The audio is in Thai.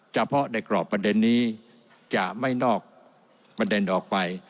เฉพาะในกรอบประเด็นนี้จะไม่นอกประเด็นออกไป